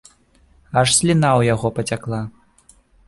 Аж сліна ў яго пацякла.